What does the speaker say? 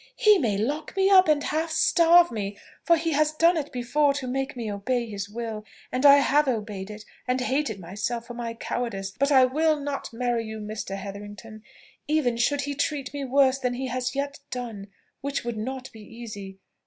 "He may lock me up and half starve me, for he has done it before to make me obey his will, and I have obeyed it, and hated myself for my cowardice; but I will not marry you, Mr. Hetherington, even should he treat me worse than he has yet done which would not be easy.